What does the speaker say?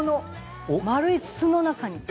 丸い筒の中に。